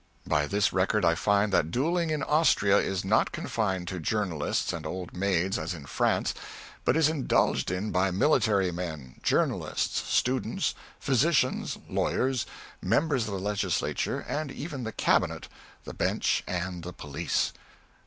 By this record I find that duelling in Austria is not confined to journalists and old maids, as in France, but is indulged in by military men, journalists, students, physicians, lawyers, members of the legislature, and even the Cabinet, the Bench and the police.